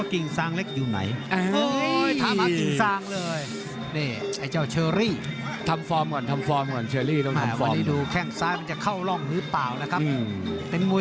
กิ่งสังเล็กอยู่กับพระพระกาเซีย